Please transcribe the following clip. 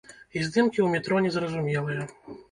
І здымкі ў метро не зразумелыя.